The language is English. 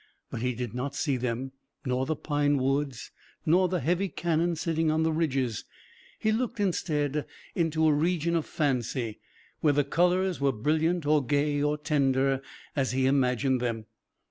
But he did not see them, nor the pine woods nor the heavy cannon sitting on the ridges. He looked instead into a region of fancy, where the colors were brilliant or gay or tender as he imagined them.